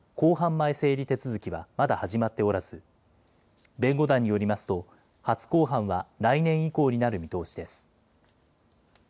前整理手続きは、まだ始まっておらず、弁護団によりますと、初公判は来年以降になる見通しです。